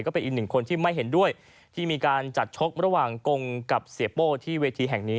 ก็เป็นอีกหนึ่งคนที่ไม่เห็นด้วยที่มีการจัดชกระหว่างกงกับเสียโป้ที่เวทีแห่งนี้